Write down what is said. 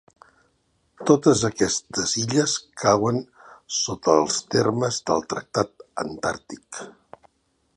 Totes aquestes illes cauen sota els termes del Tractat Antàrtic.